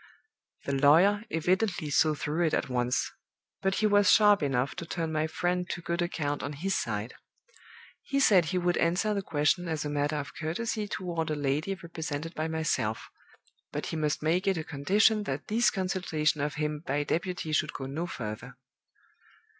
The lawyer evidently saw through it at once; but he was sharp enough to turn my 'friend' to good account on his side. He said he would answer the question as a matter of courtesy toward a lady represented by myself; but he must make it a condition that this consultation of him by deputy should go no further.